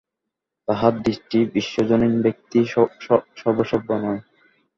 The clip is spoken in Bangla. তাঁহার দৃষ্টি বিশ্বজনীন, ব্যক্তি-সর্বস্ব নয়।